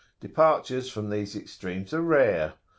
Departures from these extremes are rare.